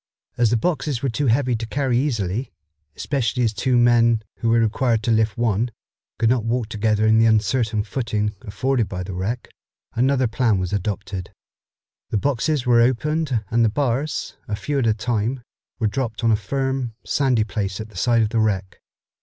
As the boxes were too heavy to carry easily, especially as two men, who were required to lift one, could not walk together in the uncertain footing afforded by the wreck, another plan was adopted. The boxes were opened and the bars, a few at a time, were dropped on a firm, sandy place at the side of the wreck.